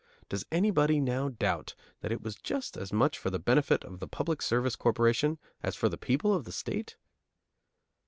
Does anybody now doubt that it was just as much for the benefit of the Public Service Corporation as for the people of the State?